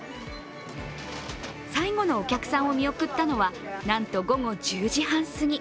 最後のお客さんを見送ったのはなんと午後１０時半すぎ。